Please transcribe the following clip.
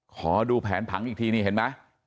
ขอดูแผนผังอีกทีนี่เห็นไหม